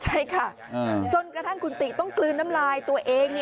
ใช่ค่ะจนกระทั่งคุณติต้องกลืนน้ำลายตัวเอง